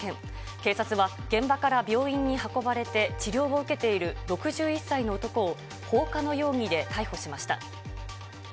警察は現場から病院に運ばれて治療を受けている６１歳の男を、放火の容疑で逮捕しました。